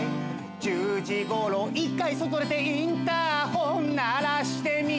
「１０時頃１回外出てインターホン鳴らしてみた」